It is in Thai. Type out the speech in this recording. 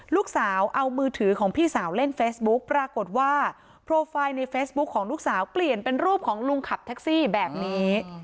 ลูกสาวเอามือถือของพี่สาวเล่นเฟซบุ๊กปรากฏว่าโปรไฟล์ในเฟซบุ๊คของลูกสาวเปลี่ยนเป็นรูปของลุงขับแท็กซี่แบบนี้